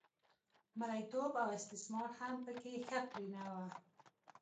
مریتوب او استثمار هم په کې ښه پرېنه و